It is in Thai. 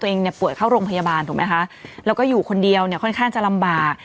เนี่ยป่วยเข้าโรงพยาบาลถูกไหมคะแล้วก็อยู่คนเดียวเนี่ยค่อนข้างจะลำบาก